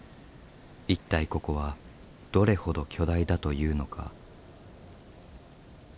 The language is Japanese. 一体ここはどれほど巨大だというのか。